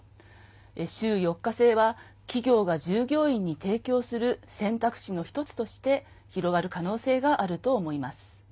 週４日制は企業が従業員に提供する選択肢の１つとして広がる可能性があると思います。